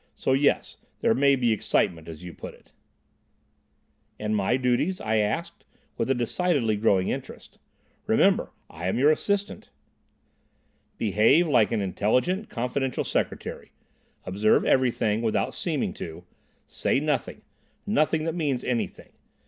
So—yes, there may be excitement, as you put it." "And my duties?" I asked, with a decidedly growing interest. "Remember, I am your 'assistant.'" "Behave like an intelligent confidential secretary. Observe everything, without seeming to. Say nothing—nothing that means anything.